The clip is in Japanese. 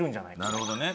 なるほどね。